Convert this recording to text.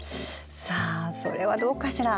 さあそれはどうかしら。